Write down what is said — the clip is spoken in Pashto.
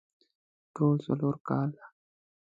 ټول څلور کاله